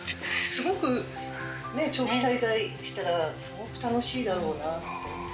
すごく長期滞在したら、すごく楽しいだろうなって。